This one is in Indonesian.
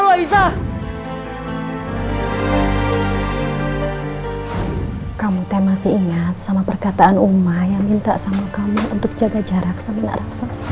hai kamu ke masih ingat sama perkataan umayyah minta sama kamu untuk jaga jarak sama nara